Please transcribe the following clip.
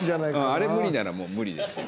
あれ無理ならもう無理ですよ。